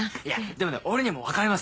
でもね俺には分かりますよ。